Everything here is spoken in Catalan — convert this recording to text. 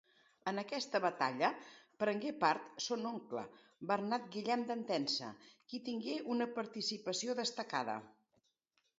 En aquesta batalla prengué part son oncle Bernat Guillem d'Entença, qui tingué una participació destacada.